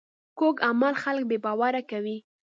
کوږ عمل خلک بې باوره کوي